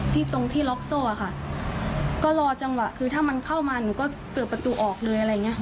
ตรงที่ล็อกโซ่อ่ะค่ะก็รอจังหวะคือถ้ามันเข้ามาหนูก็เปิดประตูออกเลยอะไรอย่างเงี้